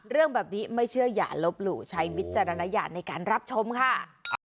เรื่องแบบนี้ไม่เชื่ออย่าลบหลู่ใช้วิจารณญาณในการรับชมค่ะ